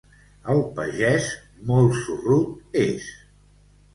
El pagès, molt sorrut és.